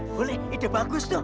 boleh ide bagus tuh